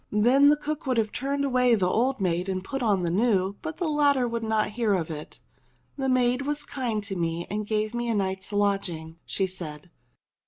Then the cook would have turned away the old maid and put on the new, but the latter would not hear of it. "The maid was kind to me and gave me a night's lodging," she said.